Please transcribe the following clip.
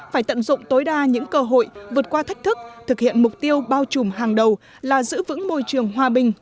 phải tận dụng tối đa những cơ hội vượt qua thách thức thực hiện mục tiêu bao trùm hàng đầu là giữ vững môi trường hòa bình